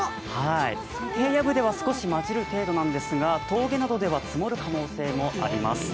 平野部では少し交じる程度なんですが峠などでは積もる可能性もあります。